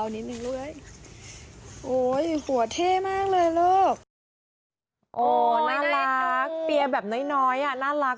น่ารัก